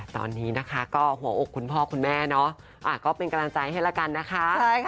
ตอนนี้นะคะก็หัวอกคุณพ่อคุณแม่เนาะก็เป็นกำลังใจให้ละกันนะคะ